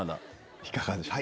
いかがでしょう。